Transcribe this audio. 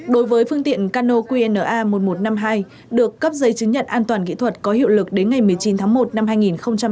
đối với phương tiện cano qna một nghìn một trăm năm mươi hai được cấp giấy chứng nhận an toàn kỹ thuật có hiệu lực đến ngày một mươi chín tháng một năm hai nghìn hai mươi